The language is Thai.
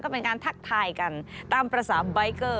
เป็นการทักทายกันตามภาษาใบเกอร์